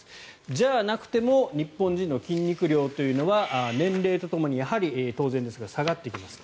じゃなくても日本の筋肉量というのは年齢とともに当然ですが下がってきます。